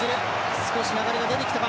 少し流れが出てきたか。